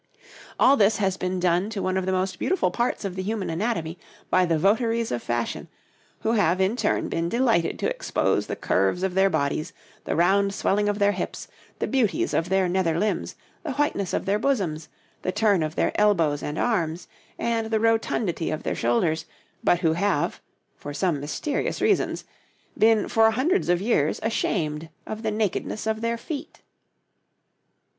All this has been done to one of the most beautiful parts of the human anatomy by the votaries of fashion, who have in turn been delighted to expose the curves of their bodies, the round swelling of their hips, the beauties of their nether limbs, the whiteness of their bosoms, the turn of their elbows and arms, and the rotundity of their shoulders, but who have, for some mysterious reasons, been for hundreds of years ashamed of the nakedness of their feet.